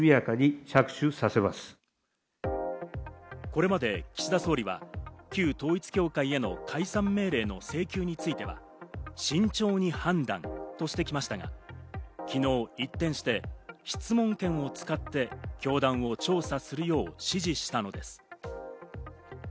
これまで岸田総理は旧統一教会への解散命令の請求については、慎重に判断として来ましたが、昨日、一転して質問権を使って教団を調査するよう指示したのです。